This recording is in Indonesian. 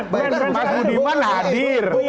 mas budiman hadir